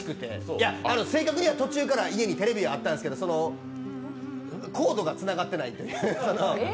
いや、正確には途中から家にテレビはあったんですけど、コードがつながってない。